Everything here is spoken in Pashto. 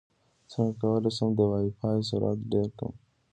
څنګه کولی شم د وائی فای سرعت ډېر کړم